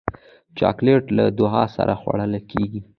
چاکلېټ له دعا سره خوړل کېږي.